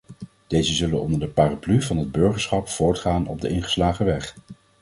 Deze zullen onder de paraplu van het burgerschap voortgaan op de ingeslagen weg.